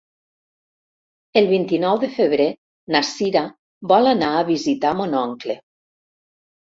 El vint-i-nou de febrer na Sira vol anar a visitar mon oncle.